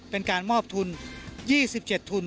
เป็นการมอบทุน๒๗ทุน